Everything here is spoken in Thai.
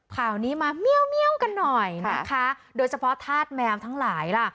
ข่าวนี้มาเมี่ยวกันหน่อยนะคะโดยเฉพาะธาตุแมวทั้งหลายล่ะ